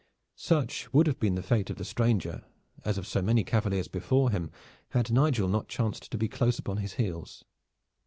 Such would have been the fate of the stranger, as of so many cavaliers before him, had Nigel not chanced to be close upon his heels.